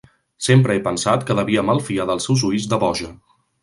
Sempre he pensat que devia malfiar dels seus ulls de boja.